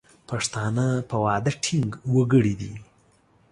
پښتانه په وعده ټینګ وګړي دي.